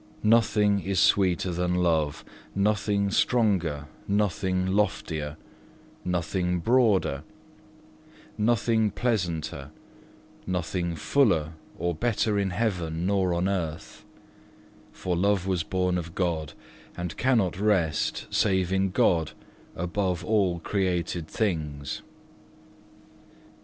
Nothing is sweeter than love, nothing stronger, nothing loftier, nothing broader, nothing pleasanter, nothing fuller or better in heaven nor on earth, for love was born of God and cannot rest save in God above all created things.